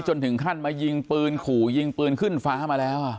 จนถึงขั้นมายิงปืนขู่ยิงปืนขึ้นฟ้ามาแล้ว